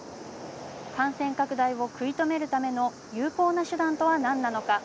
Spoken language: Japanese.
感染拡大を食い止めるための有効な手段とはなんなのか。